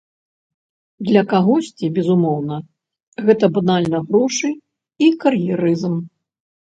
Для кагосьці, безумоўна, гэта банальна грошы і кар'ерызм.